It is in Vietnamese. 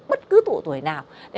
bất cứ tuổi nào